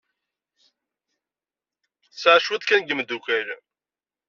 Tesɛa cwiṭ kan n yimeddukal.